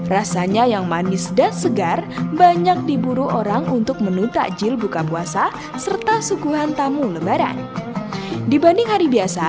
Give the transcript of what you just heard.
rasanya yang manis dan segar banyak diburu untuk menutak jil buka puasa serta suguhan lebaran idul fitri